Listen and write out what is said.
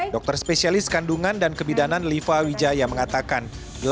dokter spesialis kandungan dan kebidanan liva wijaya mengatakan